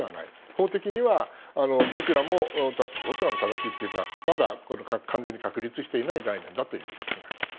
法的にはどちらも正しいというかまだ完全に確立していない概念だと考えます。